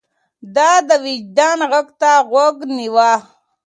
ده د وجدان غږ ته غوږ نيوه.